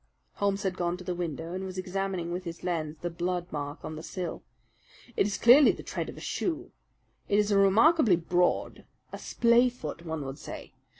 Holmes had gone to the window and was examining with his lens the blood mark on the sill. "It is clearly the tread of a shoe. It is remarkably broad; a splay foot, one would say.